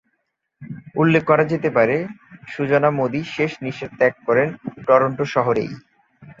উল্লেখ করা যেতে পারে, সুজানা মোদি শেষ নিশ্বাস ত্যাগ করেন টরন্টো শহরেই।